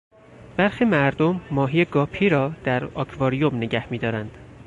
برخی مردم ماهی گاپی را در آکواریم نگهمیدارند.